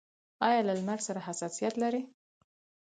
ایا له لمر سره حساسیت لرئ؟